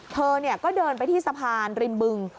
เธอก็เดินไปที่สะพานริมบึง